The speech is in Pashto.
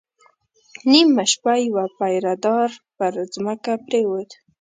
نيمه شپه يو پيره دار پر ځمکه پرېووت.